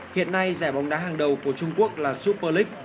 hiện nay giải bóng đá hàng đầu của trung quốc là super league